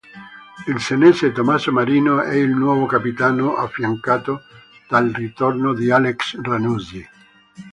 Il senese Tommaso Marino è il nuovo capitano, affiancato dal ritorno di Alex Ranuzzi.